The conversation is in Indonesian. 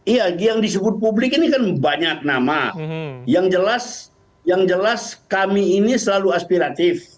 iya yang disebut publik ini kan banyak nama yang jelas yang jelas kami ini selalu aspiratif